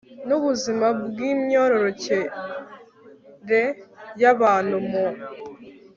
n ubuzima bw imyororokere y abantu mu